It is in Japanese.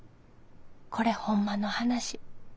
これほんまの話。